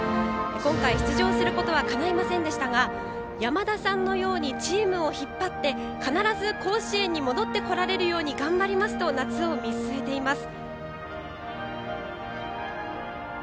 今回、出場することはかないませんでしたが山田さんのようにチームを引っ張って必ず甲子園に戻ってこられるように頑張りますと夏を見据えています。